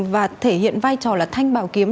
và thể hiện vai trò là thanh bảo kiếm